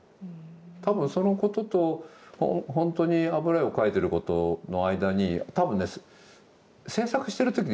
多分そのこととほんとに油絵を描いてることの間に多分ね制作してる時の差はないと。